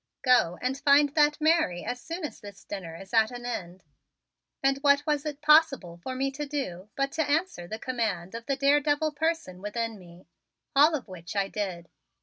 Go and find that Mary as soon as this dinner is at an end." And what was it possible for me to do but to answer the command of the daredevil person within me? All of which I did.